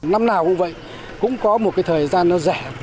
năm nào cũng vậy cũng có một thời gian rẻ